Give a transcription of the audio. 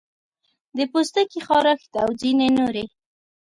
د پوستکي خارښت او ځینې نورې